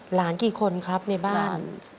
กี่คนครับในบ้าน